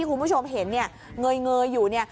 คุณผู้ชมเห็นเนี่ยเงยอยู่เนี่ย